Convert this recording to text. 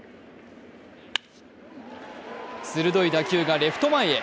鋭い打球がレフト前へ。